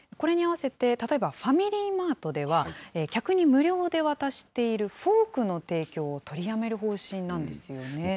これに併せて、例えばファミリーマートでは、客に無料で渡しているフォークの提供を取りやめる方針なんですよね。